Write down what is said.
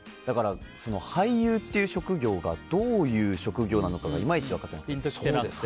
俳優っていう職業がどういう職業なのかがいまいち分かってなくて。